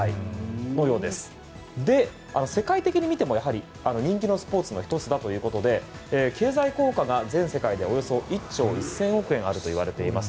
で、世界的に見ても人気のスポーツの１つだということで経済効果が全世界でおよそ１兆１０００億円あるといわれています。